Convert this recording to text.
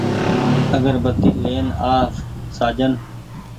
آگربتي لين آ و سآجن